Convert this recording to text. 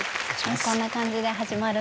こんな感じで始まるんですね。